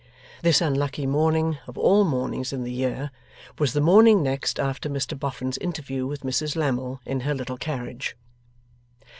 This unlucky morning, of all mornings in the year, was the morning next after Mr Boffin's interview with Mrs Lammle in her little carriage.